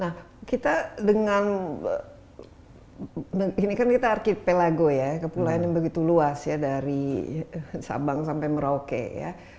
nah kita dengan ini kan kita archipelago ya kepulauan yang begitu luas ya dari sabang sampai merauke ya